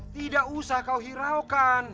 tidak usah kau hiraukan